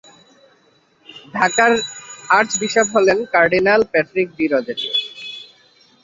ঢাকার আর্চবিশপ হলেন cardinal Patrick D'Rozario.